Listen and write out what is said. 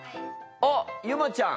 あっゆまちゃん。